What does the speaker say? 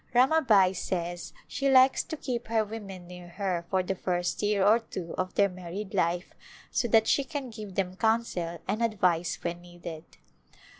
Ramabai says she likes to keep her women near her for the first year or two of their married life so that she can give them counsel and advice when needed.